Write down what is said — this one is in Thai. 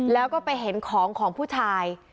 แล้วก็ไปเห็นของของผู้ชาย